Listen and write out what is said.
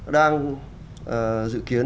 đang dự kiến